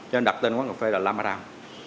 cho nên đặt tên quán cà phê là lamadam